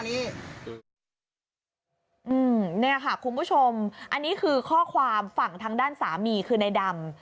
นี่ค่ะคุณผู้ชมอันนี้คือข้อความฝั่งทางด้านสามีคือในดำ